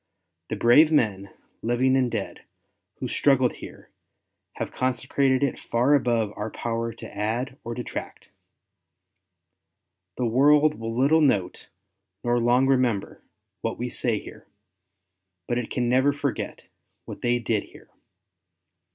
The brave men, living and dead, who struggled here, have consecrated it far above our power to add or detract. The world will little note, nor long remember, what we say here; but it can never forget what they did here.